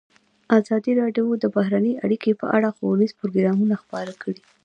ازادي راډیو د بهرنۍ اړیکې په اړه ښوونیز پروګرامونه خپاره کړي.